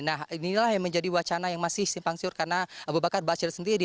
nah inilah yang menjadi wacana yang masih simpang siur karena abu bakar basir sendiri